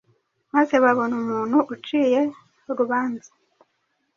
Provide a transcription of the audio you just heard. maze babona umuntu uciye urubanza